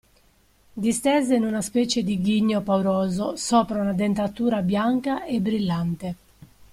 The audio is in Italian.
Distese in una specie di ghigno pauroso sopra una dentatura bianca e brillante.